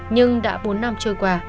nhưng đã bốn năm trôi qua